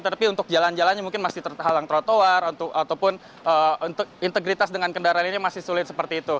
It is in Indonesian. tetapi untuk jalan jalannya mungkin masih terhalang trotoar ataupun integritas dengan kendaraan ini masih sulit seperti itu